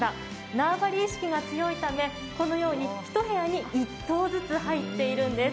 縄張り意識が強いため、このように１部屋に１頭ずつ入っているんです。